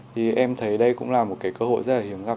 thì em thấy đây cũng là một cái cơ hội rất là hiếm gặp